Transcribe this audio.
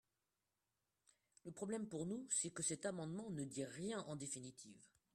Le problème, pour nous, c’est que cet amendement ne dit rien en définitive.